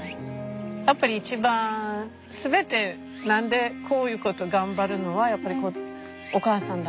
やっぱり一番全て何でこういうこと頑張るのはやっぱりお母さんだから。